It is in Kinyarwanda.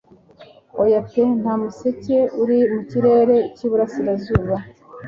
Oya pe nta museke uri mu kirere cy'iburasirazuba -